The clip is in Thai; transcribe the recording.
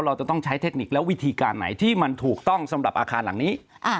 เราจะต้องใช้เทคนิคและวิธีการไหนที่มันถูกต้องสำหรับอาคารหลังนี้